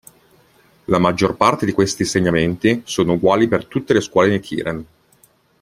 La maggior parte di questi insegnamenti sono uguali per tutte le scuole Nichiren.